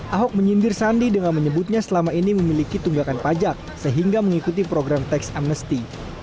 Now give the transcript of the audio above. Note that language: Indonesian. ahok menyindir sandi dengan menyebutnya selama ini memiliki tunggakan pajak sehingga mengikuti program tax amnesty